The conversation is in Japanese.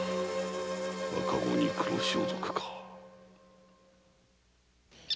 赤子に黒装束か？